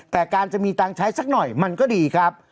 แต่การจะมีตังค์ใช้สักหน่อยมันก็ดีครับ